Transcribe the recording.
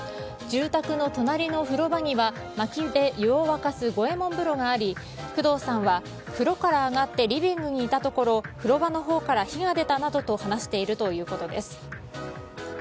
住宅の隣の風呂場にはまきで湯を沸かす五右衛門風呂があり工藤さんは風呂から上がってリビングにいたところ風呂場のほうから火が出たなどと話しているということです。